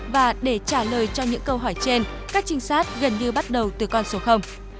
và để trả lời cho những câu hỏi trên các trinh sát gần như bắt đầu từ con số